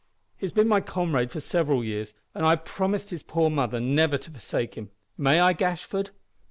"He has been my comrade for several years, and I promised his poor mother never to forsake him. May I, Gashford?"